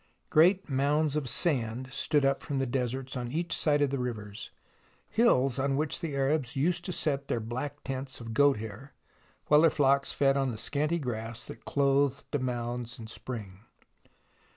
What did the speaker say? Great mounds of sand stood up from the deserts on each side of the rivers, hills on which the Arabs used to set their black tents of goat hair, while their flocks fed on the scanty grass that clothed the mounds in spring.